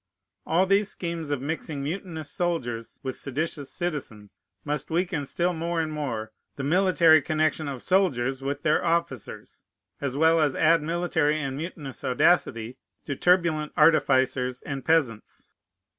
All these schemes of mixing mutinous soldiers with seditious citizens must weaken still more and more the military connection of soldiers with their officers, as well as add military and mutinous audacity to turbulent artificers and peasants.